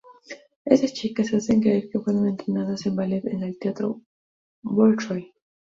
Estas chicas se hacen creer que fueron entrenados en ballet en el Teatro Bolshoi.